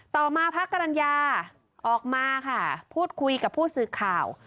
ต่อมาพระกรรณญาออกมาค่ะพูดคุยกับผู้สื่อข่าว